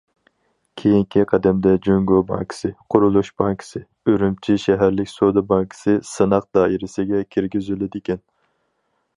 كېيىنكى قەدەمدە جۇڭگو بانكىسى، قۇرۇلۇش بانكىسى، ئۈرۈمچى شەھەرلىك سودا بانكىسى سىناق دائىرىسىگە كىرگۈزۈلىدىكەن.